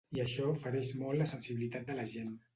I això fereix molt la sensibilitat de la gent.